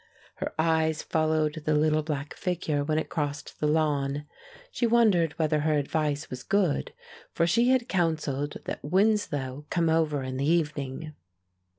Her eyes followed the little black figure when it crossed the lawn. She wondered whether her advice was good, for she had counselled that Winslow come over in the evening.